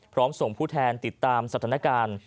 ส่งผู้แทนติดตามสถานการณ์